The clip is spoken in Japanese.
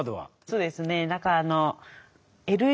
そうですね。